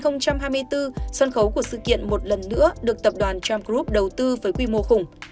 năm hai nghìn hai mươi bốn sân khấu của sự kiện một lần nữa được tập đoàn tram group đầu tư với quy mô khủng